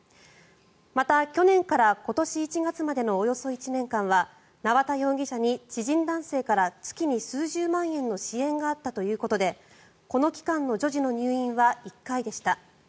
また、去年から今年１月までのおよそ１年間は縄田容疑者に知人男性から月に数十万円の支援があったということでこの期間の女児の入院は１回でした。